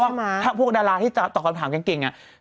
เพราะว่าถ้าพวกดาราที่ตอบคำถามเก่งอ่ะ